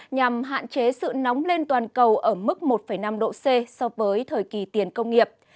nhằm hạn chế sự nóng lên toàn cầu ở mức một năm độ c so với thời kỳ tiền công nghiệp